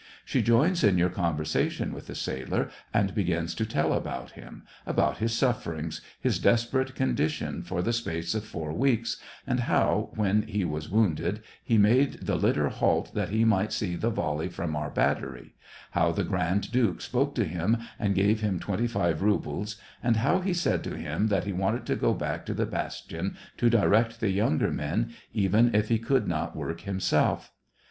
She joins in your conversation with the sailor, and begins to tell about him, about his sufferings, his desperate condition for the space of four weeks, and how, when he was wounded, he made the litter halt that he might see the volley from our battery, how the grand duke spoke to him and gave him twenty five rubles, and how he said to him that he wanted to go back to the bastion to direct the younger men, even if he could not work himself.